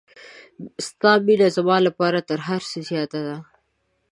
ستا مینه زما لپاره تر هر څه زیاته ده.